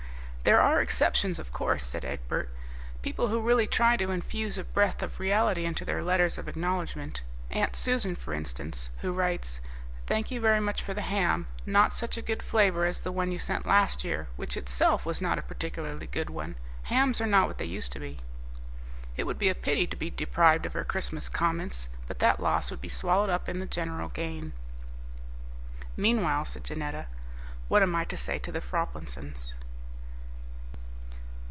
"There are exceptions, of course," said Egbert, "people who really try to infuse a breath of reality into their letters of acknowledgment. Aunt Susan, for instance, who writes: 'Thank you very much for the ham; not such a good flavour as the one you sent last year, which itself was not a particularly good one. Hams are not what they used to be.' It would be a pity to be deprived of her Christmas comments, but that loss would be swallowed up in the general gain." "Meanwhile," said Janetta, "what am I to say to the Froplinsons?"